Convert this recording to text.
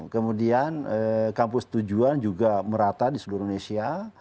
kemudian kampus tujuan juga merata di seluruh indonesia